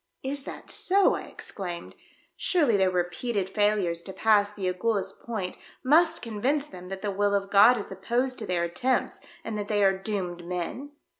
"Is that so?" I exclaimed. "Surely their repeated failures to pass the Agulhas point must convince them that the will of God is opposed to their attempts and that they are doomed men."